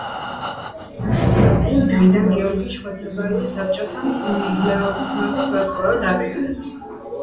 იმ დღიდან გიორგი შხვაცაბაია საბჭოთა მძლეოსნობის ვარსკვლავად აღიარეს.